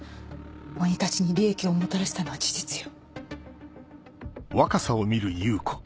鬼たちに利益をもたらしたのは事実よ。